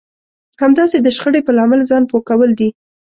همداسې د شخړې په لامل ځان پوه کول دي.